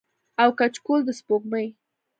او کچکول د سپوږمۍ